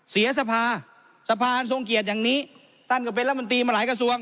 เสียสภาสภาอันทรงเกียรติอย่างนี้ท่านก็เป็นรัฐมนตรีมาหลายกระทรวง